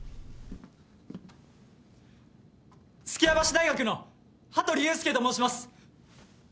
数寄屋橋大学の羽鳥祐介と申します！